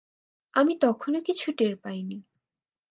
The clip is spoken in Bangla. আমি তখনও কিছু টের পাইনি।